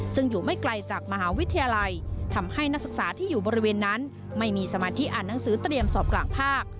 ซึ่งอยู่ไม่ไกลจากมหาวิทยาลัยทำให้นักศึกษาที่อยู่บริเวณนั้นไม่มีสมาธิอ่านหนังสือเตรียมสอบกลางภาค